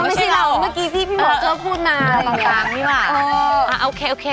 ไม่ใช่เราเมื่อกี้พี่หมดแล้วพูดมาอย่างนี้ว่ะโอเค